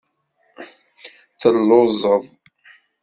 Telluẓeḍ.